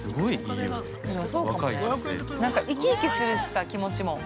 ◆なんか生き生きするしさ気持ちも。